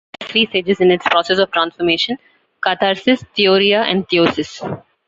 Deification has three stages in its process of transformation: "katharsis", "theoria", "theosis".